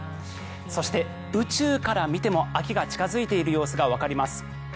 そして、宇宙から見ても秋が近付いている様子がわかります。